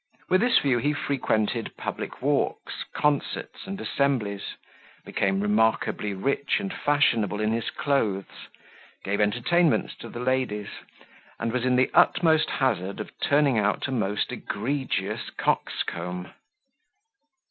With this view he frequented public walks, concerts, and assemblies, became remarkably rich and fashionable in his clothes, gave entertainments to the ladies, and was in the utmost hazard of turning out a most egregious coxcomb.